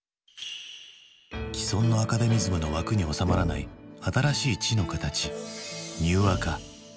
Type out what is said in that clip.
既存のアカデミズムの枠に収まらない新しい知の形「ニューアカ」。